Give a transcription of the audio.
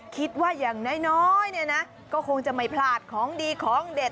คิดว่าอย่างน้อยเนี่ยนะก็คงจะไม่พลาดของดีของเด็ด